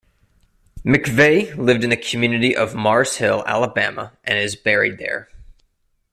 McVay lived in the community of Mars Hill, Alabama and is buried there.